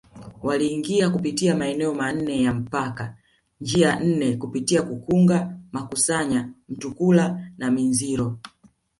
Waliingia kupitia maeneo manne ya mpaka njia nne kupitia Kukunga Masanya Mutukula na Minziro